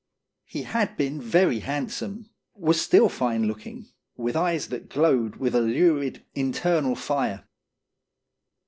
He had been very handsome, was still fine look ing, with eyes that glowed with a lurid, in ternal fire.